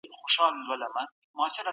تحریف سوي بڼې حقایق پټوي.